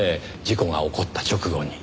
事故が起こった直後に。